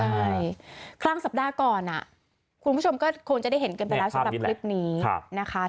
ใช่ครั้งสัปดาห์ก่อนคุณผู้ชมก็คงจะได้เห็นกันไปแล้วสำหรับคลิปนี้นะคะ